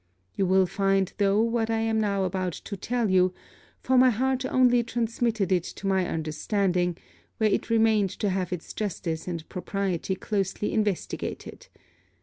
You will find though what I am now about to tell you; for my heart only transmitted it to my understanding, where it remained to have its justice and propriety closely investigated.